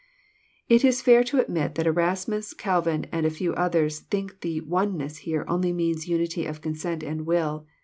It is fair to admit that Erasmus, Calvin, and a few others think the " oneness " here only means unity of consent and will.